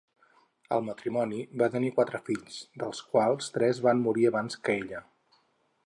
El matrimoni va tenir quatre fills, dels quals tres van morir abans que ella.